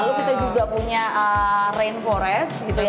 lalu kita juga punya rainforest gitu ya